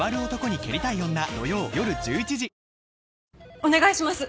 お願いします！